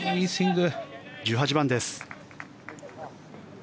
１８番です。